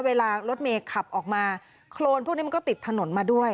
เวลารถเมย์ขับออกมาโครนพวกนี้มันก็ติดถนนมาด้วย